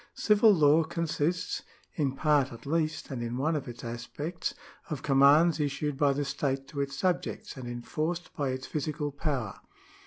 Civil law consists (in part at least, and in one of its aspects) of commands issued by the state to its subjects, and enforced by its physical power.